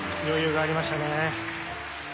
余裕がありましたね。